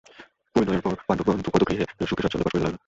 পরিণয়ের পর পাণ্ডবগণ দ্রুপদগৃহে সুখে-স্বাচ্ছন্দ্যে বাস করিতে লাগিলেন।